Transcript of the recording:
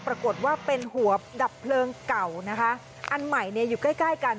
ปรากฏว่าเป็นหัวดับเพลิงเก่านะคะอันใหม่เนี่ยอยู่ใกล้ใกล้กัน